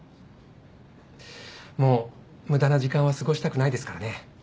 もう無駄な時間は過ごしたくないですからね。